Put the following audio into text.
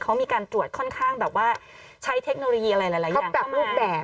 เขามีการตรวจค่อนข้างแบบว่าใช้เทคโนโลยีอะไรหลายอย่างปรับรูปแบบ